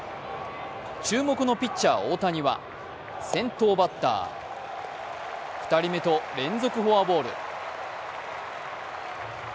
注目のピッチャー・大谷は先頭バッター、２人目と連続フォアボール。